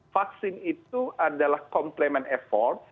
vaksin itu adalah complement effort